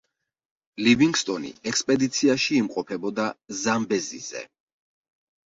ლივინგსტონი ექსპედიციაში იმყოფებოდა ზამბეზიზე.